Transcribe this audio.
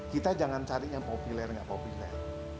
kita jangan cari yang populer nggak populer